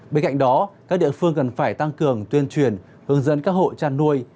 bên cạnh đó các địa phương cần phải tăng cường tuyên truyền hướng dẫn các hội tràn nuôi